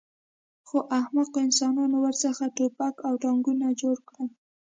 خو احمقو انسانانو ورڅخه ټوپک او ټانکونه جوړ کړل